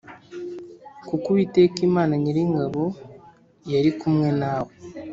kuko Uwiteka Imana Nyiringabo yari kumwe na we.